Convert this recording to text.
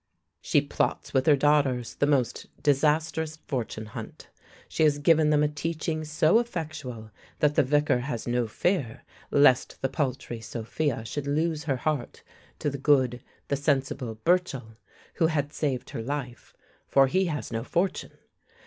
She plots with her daughters the most disastrous fortune hunt. She has given them a teaching so effectual that the Vicar has no fear lest the paltry Sophia should lose her heart to the good, the sensible Burchell, who had saved her life; for he has no fortune.